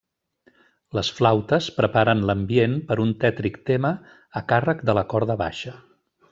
Les flautes preparen l'ambient per un tètric tema a càrrec de la corda baixa.